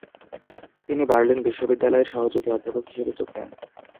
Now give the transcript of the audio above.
তিনি বার্লিন বিশ্ববিদ্যালয়ের সহকারী অধ্যাপক হিসেবে যোগ দেন।